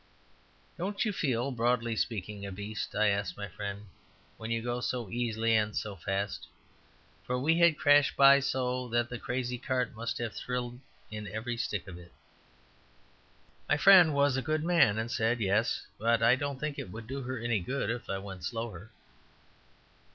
"Don't you feel, broadly speaking, a beast," I asked my friend, "when you go so easily and so fast?" For we had crashed by so that the crazy cart must have thrilled in every stick of it. My friend was a good man, and said, "Yes. But I don't think it would do her any good if I went slower."